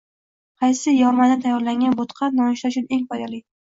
Qaysi yormadan tayyorlangan bo‘tqa nonushta uchun eng foydali?